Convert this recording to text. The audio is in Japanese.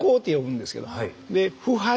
で「腐敗」。